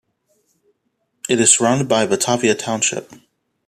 It is surrounded by Batavia Township.